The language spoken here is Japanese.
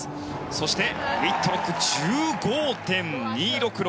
そして、ウィットロックは１５．２６６。